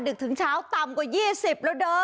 ถึงเช้าต่ำกว่า๒๐แล้วเด้อ